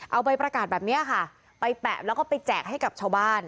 เอาใบประกาศแบบนี้ค่ะไปแปะแล้วก็ไปแจกให้กับชาวบ้าน